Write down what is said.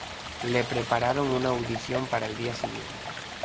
Le prepararon una audición para el día siguiente.